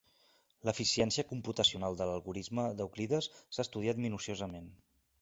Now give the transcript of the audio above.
L'eficiència computacional de l'algorisme d'Euclides s'ha estudiat minuciosament.